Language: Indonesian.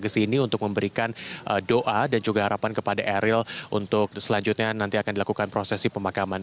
kesini untuk memberikan doa dan juga harapan kepada eril untuk selanjutnya nanti akan dilakukan prosesi pemakaman